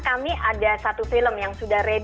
kami ada satu film yang sudah ready